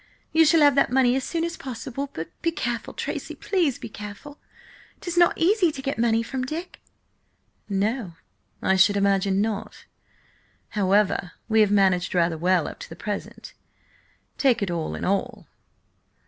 You shall have that money as soon as possible; but be careful, Tracy–please be careful! 'Tis not easy to get money from Dick!" "No, I should imagine not. However, we have managed rather well up to the present, take it all in all."